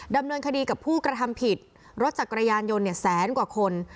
ดำเนินคดีกับผู้กระทำผิดรถจักรยานยนต์เนี่ยแสนกว่าคน